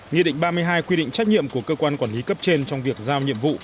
nghị định ba mươi hai quy định trách nhiệm của cơ quan quản lý cấp trên trong việc giao nhiệm vụ